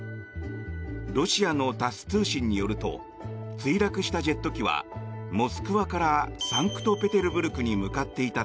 ロシアのタス通信によると墜落したジェット機はモスクワからサンクトペテルブルクに向かっていた